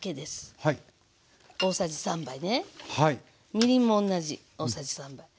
みりんも同じ大さじ３。